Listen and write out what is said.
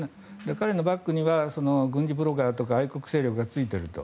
彼のバックには軍事ブロガーとか愛国勢力がついていると。